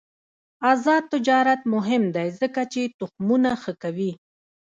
آزاد تجارت مهم دی ځکه چې تخمونه ښه کوي.